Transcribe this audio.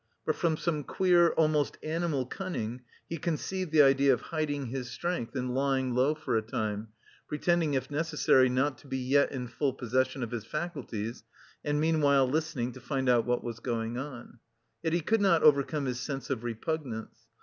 But from some queer, almost animal, cunning he conceived the idea of hiding his strength and lying low for a time, pretending if necessary not to be yet in full possession of his faculties, and meanwhile listening to find out what was going on. Yet he could not overcome his sense of repugnance.